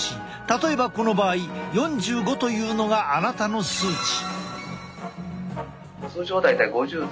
例えばこの場合４５というのがあなたの数値。